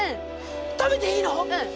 食べていいの？